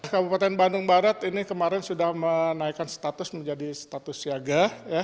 kabupaten bandung barat ini kemarin sudah menaikkan status menjadi status siaga